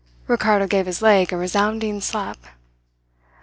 "Ricardo gave his leg a resounding slap.